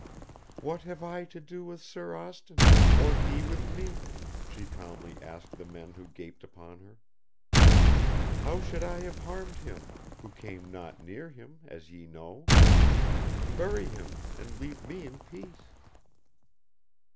"What have I to do with Sir Austin, or he with me?" she calmly asked the men who gaped upon her. "How should I have harmed him, who came not near him, as ye know? Bury him, and leave me in peace."